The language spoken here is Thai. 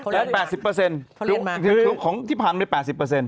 แล้ว๘๐ของที่ผ่านเป็น๘๐